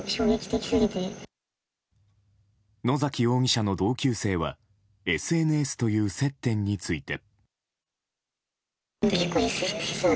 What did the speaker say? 野崎容疑者の同級生はＳＮＳという接点について。